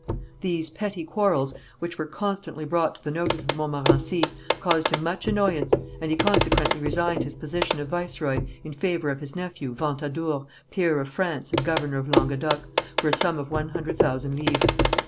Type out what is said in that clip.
These petty quarrels, which were constantly brought to the notice of Montmorency, caused him much annoyance, and he consequently resigned his position of viceroy in favour of his nephew, Ventadour, peer of France and governor of Languedoc, for a sum of one hundred thousand livres.